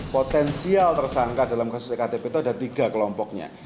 potensial tersangka dalam kasus ektp itu ada tiga kelompoknya